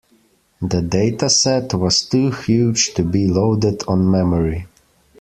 The dataset was too huge to be loaded on memory.